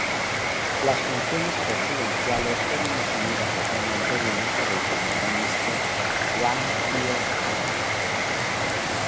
Las funciones presidenciales fueron asumidas de forma interina por el primer ministro Hwang Kyo-ahn.